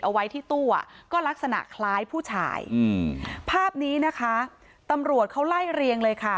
เอาไว้ที่ตู้อ่ะก็ลักษณะคล้ายผู้ชายอืมภาพนี้นะคะตำรวจเขาไล่เรียงเลยค่ะ